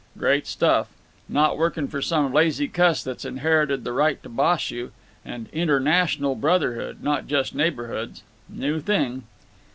"Great stuff. Not working for some lazy cuss that's inherited the right to boss you. And international brotherhood, not just neighborhoods. New thing."